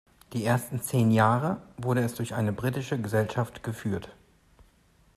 Die ersten zehn Jahre wurde es durch eine britische Gesellschaft geführt.